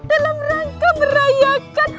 dalam rangka merayakan